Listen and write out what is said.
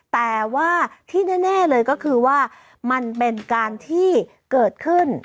แต่ว่าที่แน่เลยก็คือว่ามันเป็นการที่เกิดขึ้น